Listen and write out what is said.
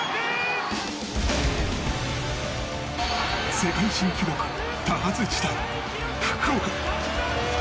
世界新記録多発地帯、福岡。